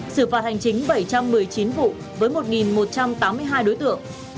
xử phạt hành chính bảy trăm một mươi chín vụ với một một trăm tám mươi hai đối tượng